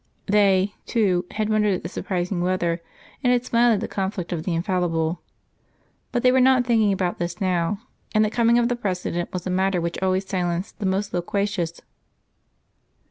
They, too, had wondered at the surprising weather, and had smiled at the conflict of the infallible. But they were not thinking about that now: the coming of the President was a matter which always silenced the most loquacious.